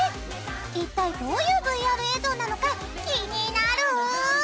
一体どういうＶＲ映像なのか気になる！